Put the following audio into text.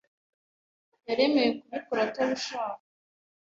Yaremewe kubikora atabishaka.